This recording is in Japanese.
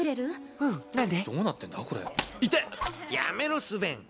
うん、何で？